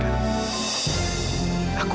iya periso aku jujur